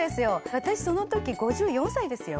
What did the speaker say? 私その時５４歳ですよ。